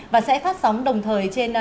và sẽ phát sóng đồng thời trên